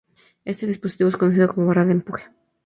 Este dispositivo es conocido como "barra de empuje".